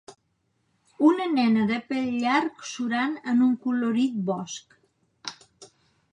Una nena de pèl llarg surant en un colorit bosc